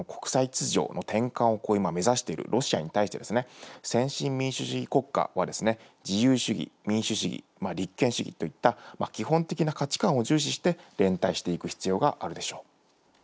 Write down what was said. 今後、その国際秩序の転換を今、目指しているロシアに対して、先進民主主義国家は、自由主義、民主主義、立憲主義といった、基本的な価値観を重視して、連帯していく必要があるでしょう。